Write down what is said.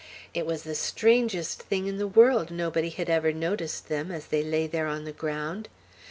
It was the strangest thing in the world nobody had ever noticed them as they lay there on the ground.